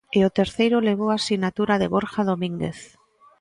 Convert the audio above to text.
E o terceiro levou a sinatura de Borja Domínguez.